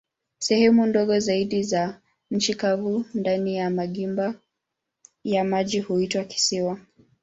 Sehemu ndogo zaidi za nchi kavu ndani ya magimba ya maji huitwa kisiwa.